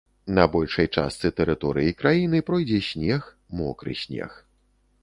На большай частцы тэрыторыі краіны пройдзе снег, мокры снег.